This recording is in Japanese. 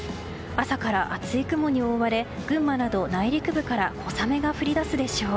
朝から暑い雲に覆われ群馬など内陸部から小雨が降りだすでしょう。